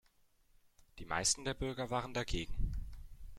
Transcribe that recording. Die meisten der Bürger waren dagegen.